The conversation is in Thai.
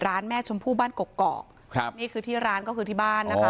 ร้านแม่ชมพู่บ้านกรกนี่คือที่ร้านก็คือที่บ้าน